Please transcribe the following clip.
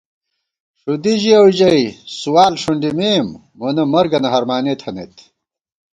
ݭُدی ژِیَؤ ژَئی سُوال ݭُنڈِمېم، مونہ مرگَنہ ہرمانےتھنَئیت